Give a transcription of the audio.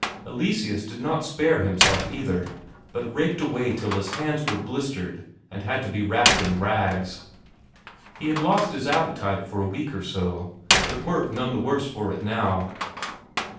Eleseus did not spare himself either, but raked away till his hands were blistered and had to be wrapped in rags. He had lost his appetite for a week or so, but worked none the worse for it now.